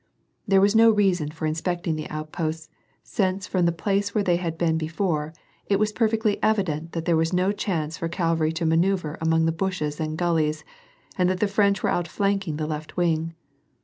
There was no reason for in specting the outposts, since from the place where they had been before, it was perfectly evident that there was no chance for cavalry to manoeuvre among the bushes and gullies, and that the French were outflanking the left wing.